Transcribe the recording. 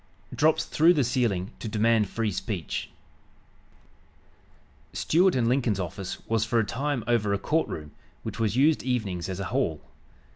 DROPS THROUGH THE CEILING TO DEMAND FREE SPEECH Stuart & Lincoln's office was, for a time, over a court room, which was used evenings as a hall.